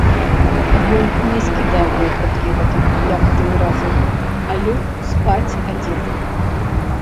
Ён не скідаў вопраткі гэтак, як тыя разы, а лёг спаць адзеты.